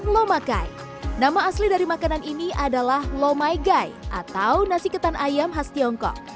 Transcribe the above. lomakai nama asli dari makanan ini adalah lomai gai atau nasi ketan ayam khas tiongkok